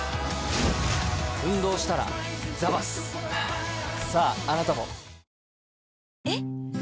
ああなたも。